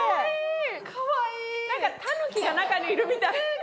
なんかタヌキが中にいるみたい。